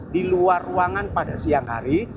di luar ruangan pada siang hari